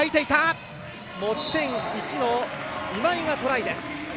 持ち点１の今井がトライ。